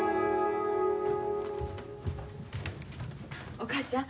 お母ちゃん。